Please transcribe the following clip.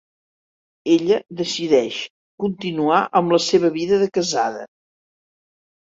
Ella decideix continuar amb la seva vida de casada.